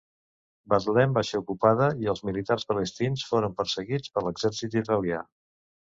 Betlem va ser ocupada i els militants palestins foren perseguits per l'exèrcit israelià.